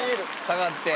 下がって。